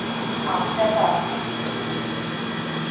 აღიზარდა აზნაურის ოჯახში.